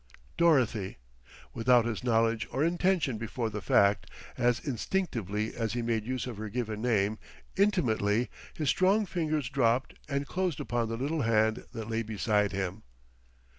"Dorothy!" Without his knowledge or intention before the fact, as instinctively as he made use of her given name, intimately, his strong fingers dropped and closed upon the little hand that lay beside him.